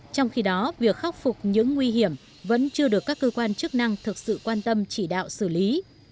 trong khi đó việc khắc phục những nguy hiểm vẫn chưa được các cơ quan chức năng thực sự quan tâm chỉ đạo xử lý